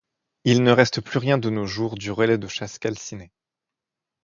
Il ne reste plus rien de nos jours du relais de chasse calciné.